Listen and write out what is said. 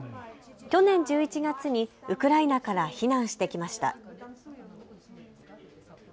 去年１１月にウクライナから避難してきました。